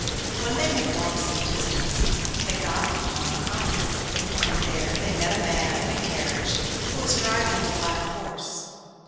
When they had walked some distance they got upon the ice, and there they met a man in a carriage who was driving a black horse.